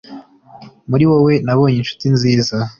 muri wowe, nabonye inshuti nziza